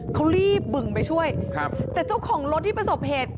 เขารีบบึงไปช่วยครับแต่เจ้าของรถที่ประสบเหตุ